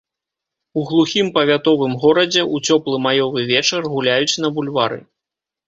У глухім павятовым горадзе, у цёплы маёвы вечар, гуляюць на бульвары.